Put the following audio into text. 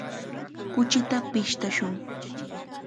Kuchita pishtashun.